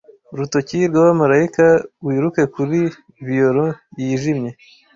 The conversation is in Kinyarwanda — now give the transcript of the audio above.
urutoki rw'abamarayika wiruke kuri violon yijimye